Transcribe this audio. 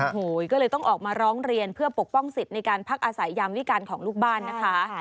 โอ้โหก็เลยต้องออกมาร้องเรียนเพื่อปกป้องสิทธิ์ในการพักอาศัยยามวิการของลูกบ้านนะคะ